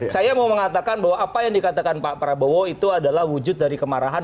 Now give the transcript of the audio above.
saya mau mengatakan bahwa apa yang dikatakan pak prabowo itu adalah wujud dari kemarahan